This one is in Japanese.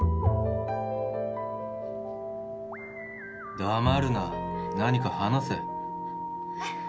黙るな何か話せえっ？